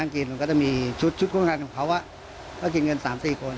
ก็จะมีชุดชุดโครงการของเขาอ่ะก็กินเงินสามสี่คน